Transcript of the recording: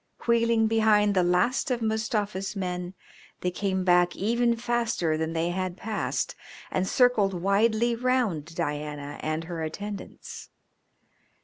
Wheeling behind the last of Mustafa's men they came back even faster than they had passed, and circled widely round Diana and her attendants.